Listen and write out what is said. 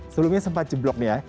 sebelumnya sempat jeblok nih ya